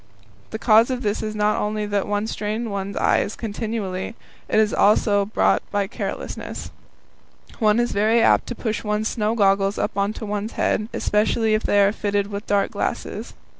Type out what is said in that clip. The cause of this is not only that one strains one's eyes continually; it is also brought about by carelessness. One is very apt to push one's snow goggles up on to one's forehead, especially if they are fitted with dark glasses.